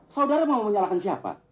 saudara mau menyalahkan siapa